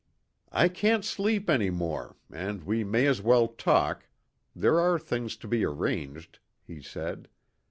"I can't sleep any more, and we may as well talk there are things to be arranged," he said.